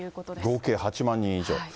合計８万人以上。